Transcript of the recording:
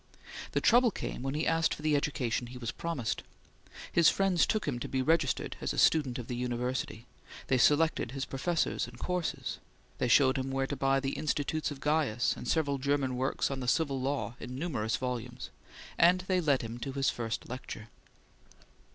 The trouble came when he asked for the education he was promised. His friends took him to be registered as a student of the university; they selected his professors and courses; they showed him where to buy the Institutes of Gaius and several German works on the Civil Law in numerous volumes; and they led him to his first lecture.